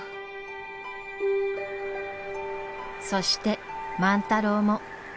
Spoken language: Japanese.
そして万太郎も。